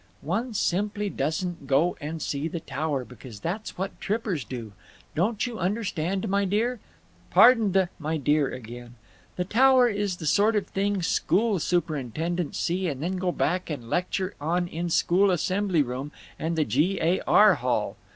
"One simply doesn't go and see the Tower, because that's what trippers do. Don't you understand, my dear? (Pardon the 'my dear' again.) The Tower is the sort of thing school superintendents see and then go back and lecture on in school assembly room and the G. A. R. hall.